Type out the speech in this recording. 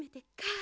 あ！